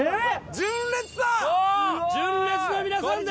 純烈の皆さんだ！